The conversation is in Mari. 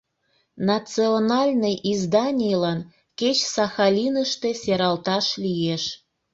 — Национальный изданийлан кеч Сахалиныште сералташ лиеш...